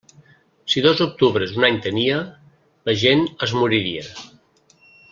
Si dos octubres un any tenia, la gent es moriria.